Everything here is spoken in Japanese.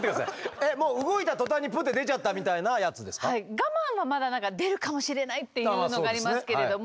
我慢はまだ何か出るかもしれないっていうのがありますけれども。